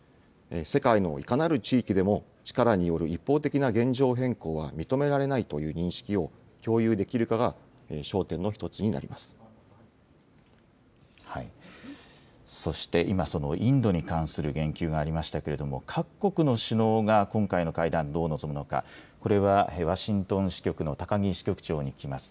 世界のいかなる地域でも、力による一方的な現状変更は認められないという認識を共有できるかが焦そして今、そのインドに関する言及がありましたけれども、各国の首脳が今回の会談、どう臨むか、これはワシントン支局の高木支局長に聞きます。